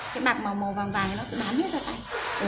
cái bạc màu màu vàng vàng ấy nó sẽ bán hết ra tay